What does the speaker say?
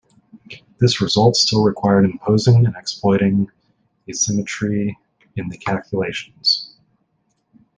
This result still required imposing and exploiting axisymmetry in the calculations.